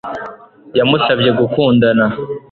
Yamusabye gukundana